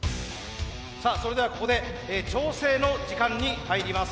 それではここで調整の時間に入ります。